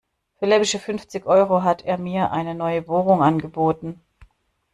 Für läppische fünfzig Euro hat er mir eine neue Bohrung angeboten.